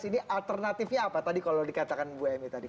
jadi alternatifnya apa tadi kalau dikatakan bu emy tadi